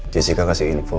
jessica kasih info